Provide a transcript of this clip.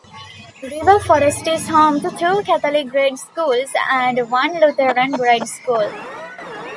River Forest is home to two Catholic grade schools and one Lutheran grade school.